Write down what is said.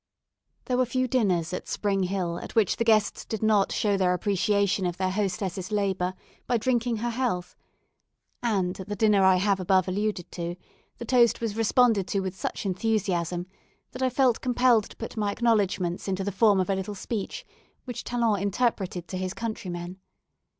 There were few dinners at Spring Hill at which the guests did not show their appreciation of their hostess's labour by drinking her health; and at the dinner I have above alluded to, the toast was responded to with such enthusiasm that I felt compelled to put my acknowledgments into the form of a little speech, which Talon interpreted to his countrymen.